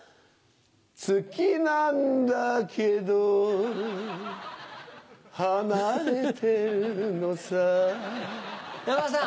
ツキなんだけど離れてるのさ山田さん